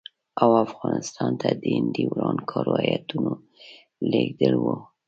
او افغانستان ته د هندي ورانکارو هیاتونه لېږل وو.